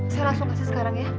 saya langsung kasih sekarang ya